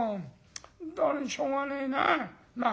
本当にしょうがねえなあ。